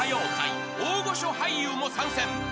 ［大御所俳優も参戦］